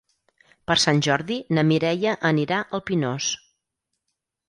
Per Sant Jordi na Mireia anirà al Pinós.